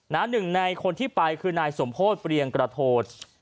หนึ่งในคนที่ไปคือนายสมโพธิเปรียงกระโท